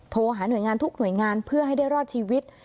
โทรหาหน่วยงานทุกหน่วยงานเพื่อให้ได้รอดชีวิต